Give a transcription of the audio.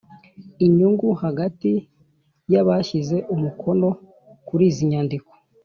Inyungu hagati yabashyize umukono kuri izi nyandiko